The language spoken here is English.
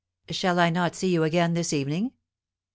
"Shall I not see you again this evening?"